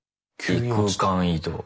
異空間移動。